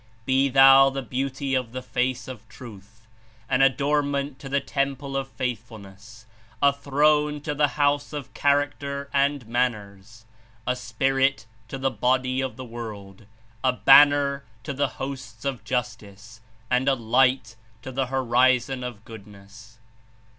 Be thou the beauty of the face of truth, an adornment to the temple of faith fulness, a throne to the house of character and man ners, a spirit to the body of the world, a banner to the hosts of justice, and a light to the horizon of good ness.